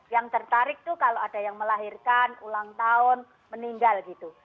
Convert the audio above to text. yang tertarik tuh kalau ada yang melahirkan ulang tahun meninggal gitu